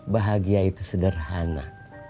bahagia itu sederhana